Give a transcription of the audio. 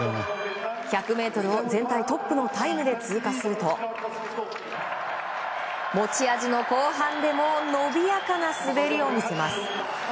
１００ｍを全体トップのタイムで通過すると持ち味の後半でも伸びやかな滑りを見せます。